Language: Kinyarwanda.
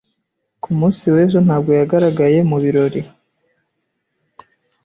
Ku munsi w'ejo ntabwo yagaragaye mu birori.